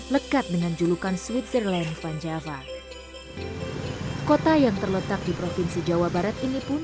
lekat dengan julukan switzerland van java kota yang terletak di provinsi jawa barat ini pun